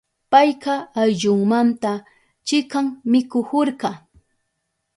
Payka ayllunmanta chikan mikuhurka.